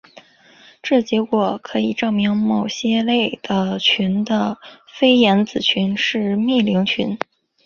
这结果可以证明某些类的群的菲廷子群是幂零群。